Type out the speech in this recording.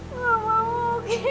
nggak mau oki